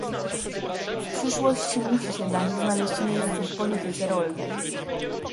W przyszłości musi się znaleźć dla nich miejsce w polityce rolnej